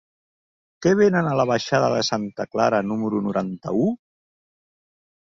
Què venen a la baixada de Santa Clara número noranta-u?